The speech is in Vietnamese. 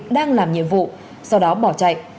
đang làm nhiệm vụ sau đó bỏ chạy